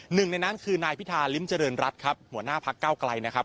หนึ่งในนั้นคือนายพิธาริมเจริญรัฐครับหัวหน้าพักเก้าไกลนะครับ